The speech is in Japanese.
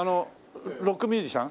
ロックミュージシャン？